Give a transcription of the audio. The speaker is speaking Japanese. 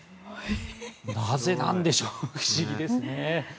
なぜなんでしょう不思議ですね。